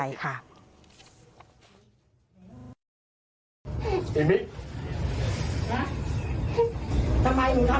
ไอ้มิ๊ทำไมมึงทำจริงเหรอ